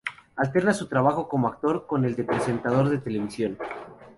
Alterna su trabajo como actor con el de presentador de televisión.